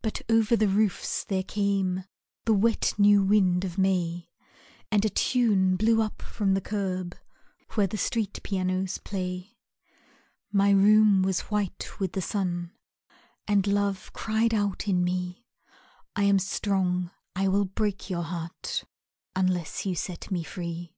But over the roofs there came The wet new wind of May, And a tune blew up from the curb Where the street pianos play. My room was white with the sun And Love cried out in me, "I am strong, I will break your heart Unless you set me free."